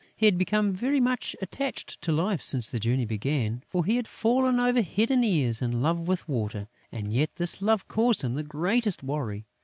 He had become very much attached to life since the journey began, for he had fallen over head and ears in love with Water! And yet this love caused him the greatest worry.